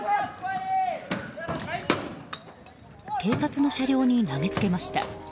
警察の車両に投げつけました。